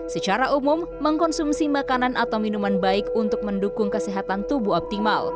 secara umum mengkonsumsi makanan atau minuman baik untuk mendukung kesehatan tubuh optimal